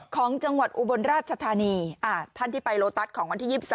ของจังหวัดอุบลราชธานีท่านที่ไปโลตัสของวันที่๒๒